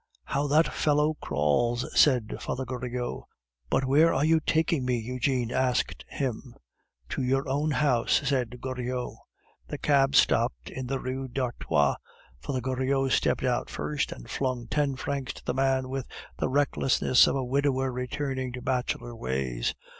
"How that fellow crawls!" said Father Goriot. "But where are you taking me?" Eugene asked him. "To your own house," said Goriot. The cab stopped in the Rue d'Artois. Father Goriot stepped out first and flung ten francs to the man with the recklessness of a widower returning to bachelor ways.